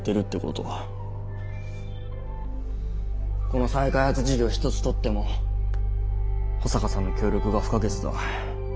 この再開発事業一つとっても保坂さんの協力が不可欠だ。